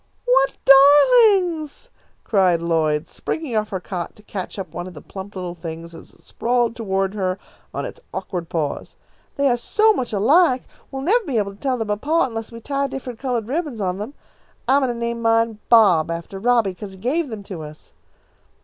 "What darlings!" cried Lloyd, springing off her cot to catch up one of the plump little things as it sprawled toward her on its awkward paws. "They are so much alike we'll never be able to tell them apart unless we tie different coloured ribbons on them. I'm going to name mine Bob after Robby, 'cause he gave them to us."